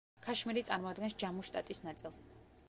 ქაშმირი წარმოადგენს ჯამუს შტატის ნაწილს.